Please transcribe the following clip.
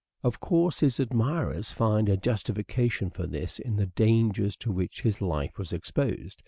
Of course his admirers find a justification for this in the dangers to which his life was exposed.